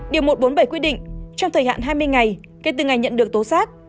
điều một trăm bốn mươi bảy quy định trong thời hạn hai mươi ngày kể từ ngày nhận được tố xác